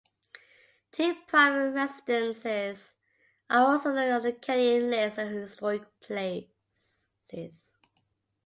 Two private residences are also on the Canadian List of Historic Places.